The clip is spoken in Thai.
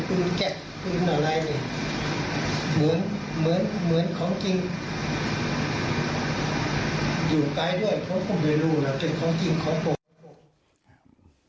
อยู่ใกล้ด้วยเพราะผมเลยรู้ล่ะเป็นของจริงเอาผม